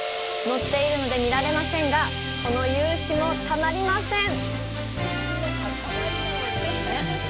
乗っているので見られませんがこの雄姿もたまりません。